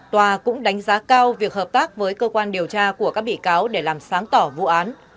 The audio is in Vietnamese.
tòa cũng đánh giá cao việc hợp tác với cơ quan điều tra của các bị cáo để làm sáng tỏ vụ án